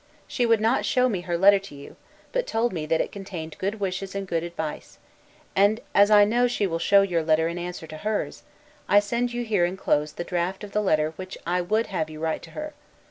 She would not show me her letter to you; but told me that it contained good wishes and good advice; and, as I know she will show your letter in answer to hers, I send you here inclosed the draught of the letter which I would have you write to her.